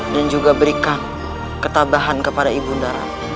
dan juga berikan ketabahan kepada ibunda